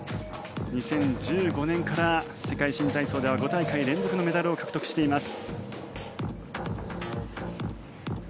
２０１５年から世界新体操では５大会連続のメダルを獲得しています。